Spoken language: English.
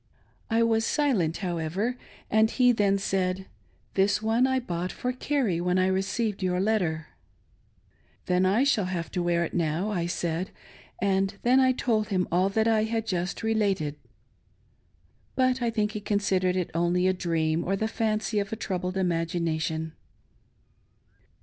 I was silent, however, and he then said: " This one I bought for Carrie when I received your letter." " Then I shall have to wear it now," I said ; and then I told him all that I have just related, but I think he con THE TIME APPROACHING. 45 1 sidered it was only a dream or the fancy of a troubled imag ination.